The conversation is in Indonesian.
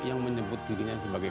yang menyebut dirinya sebagai